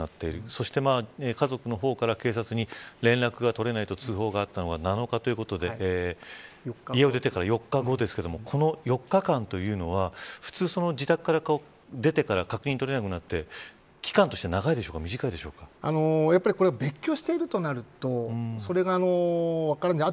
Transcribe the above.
そして家族の方から警察に連絡が取れないと通報があったのが７日ということで家を出でから４日後ですけれどもこの４日間というのは普通、自宅から出てから確認が取れなくなって期間としてはやはりこれは別居しているとなるとそれが分からない。